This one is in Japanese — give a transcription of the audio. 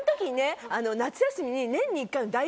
夏休みに。